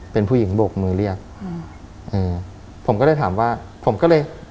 เป็นผู้หญิงโบกมือเรียกอืมเออผมก็เลยถามว่าผมก็เลย